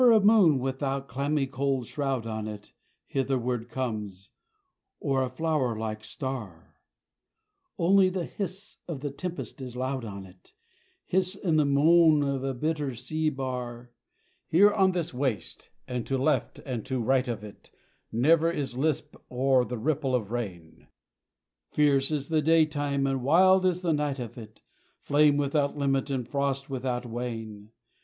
Never a moon without clammy cold shroud on it Hitherward comes, or a flower like star! Only the hiss of the tempest is loud on it Hiss, and the moan of a bitter sea bar. Here on this waste, and to left and to right of it, Never is lisp or the ripple of rain: Fierce is the daytime and wild is the night of it, Flame without limit and frost without wane!